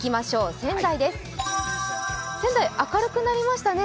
仙台、明るくなりましたね。